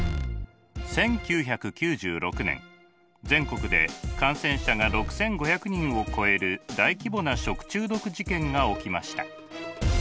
１９９６年全国で感染者が６，５００人を超える大規模な食中毒事件が起きました。